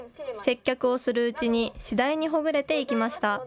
接客をするうちに次第にほぐれていきました。